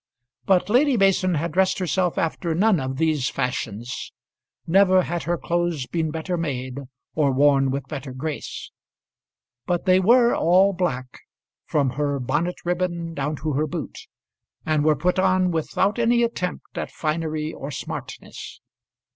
But Lady Mason had dressed herself after none of these fashions. Never had her clothes been better made, or worn with a better grace; but they were all black, from her bonnet ribbon down to her boot, and were put on without any attempt at finery or smartness.